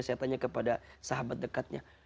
saya tanya kepada sahabat dekatnya